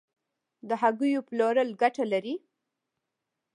د هګیو پلورل ګټه لري؟